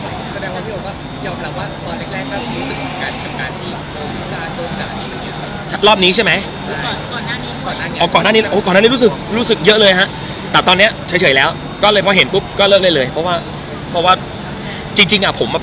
ก็แปลว่าพี่โอ๊คก็ยอมแปลว่าตอนแรกถ้าคุณรู้สึกเหมือนกันกับการที่โรงพิจารณ์โรงหนักอีกหรือเปล่า